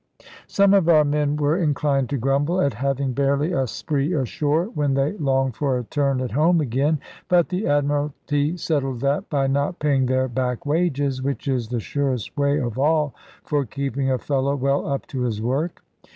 Some of our men were inclined to grumble, at having barely a spree ashore, when they longed for a turn at home again. But the Admiralty settled that, by not paying their back wages; which is the surest way of all for keeping a fellow well up to his work.